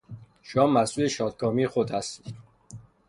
شما مسئول شادکامی خود هستید